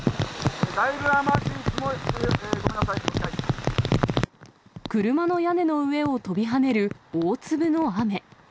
だいぶ雨足、すごい、ごめんなさ車の屋根の上を跳びはねる大粒の雨。